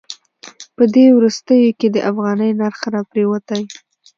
په دې وروستیو کې د افغانۍ نرخ راپریوتی.